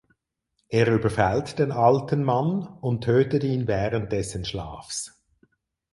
Er überfällt den alten Mann und tötet ihn während dessen Schlafs.